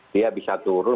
dia bisa turun